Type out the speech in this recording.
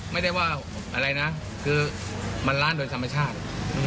ไม่ได้ว่าอะไรนะคือมันล้านโดยธรรมชาติ